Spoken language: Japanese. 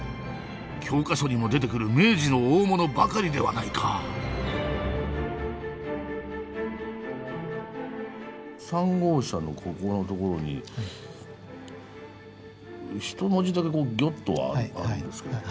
教科書にも出てくる明治の大物ばかりではないか３号車のここのところにひと文字だけ「御」とあるんですけども。